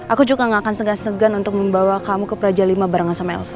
aku juga gak akan segan segan untuk membawa kamu ke praja lima barengan sama elsa